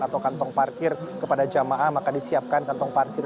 atau kantong parkir kepada jamaah maka disiapkan kantong parkir